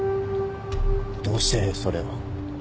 どうしてそれを